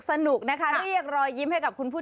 สนุนโดยอีซุสุข